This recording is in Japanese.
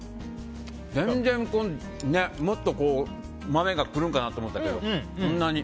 全然もっと豆が来るんかなと思ったけどそんなに。